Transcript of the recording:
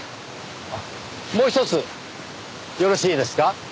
あっもうひとつよろしいですか？